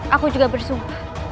aku juga bersumpah